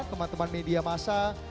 teman teman media masyarakat